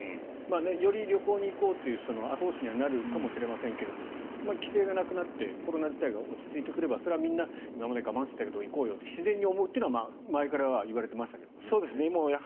より旅行に行こうというその後押しにはなるかもしれませんが規制がなくなってコロナ自体が落ち着いてくればそれはみんな今まで我慢していたけど行こうよと自然に思うというのは前から言われていましたけどね。